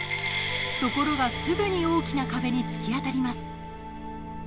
ところが、すぐに大きな壁に突き当たります。